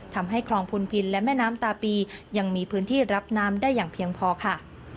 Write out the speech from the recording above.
ทำให้คลองพุนพินและแม่น้ำตาปียังมีพื้นที่รับน้ำได้อย่างเพียงพอค่ะ